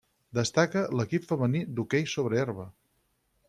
Destaca l'equip femení d'hoquei sobre herba.